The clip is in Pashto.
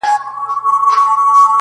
• که خدای فارغ کړاست له مُلایانو -